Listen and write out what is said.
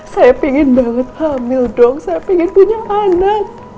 saya pingin banget hamil dong saya pengen punya anak